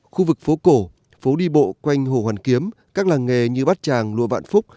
khu vực phố cổ phố đi bộ quanh hồ hoàn kiếm các làng nghề như bát tràng lùa vạn phúc